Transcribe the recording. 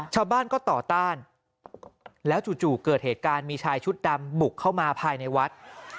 ชาวบ้านก็ต่อต้านแล้วจู่เกิดเหตุการณ์มีชายชุดดำบุกเข้ามาภายในวัด